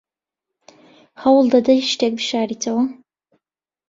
هەوڵ دەدەیت شتێک بشاریتەوە؟